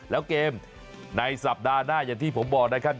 แล้วเกมในสัปดาห์หน้าอย่างที่ผมบอกนะครับ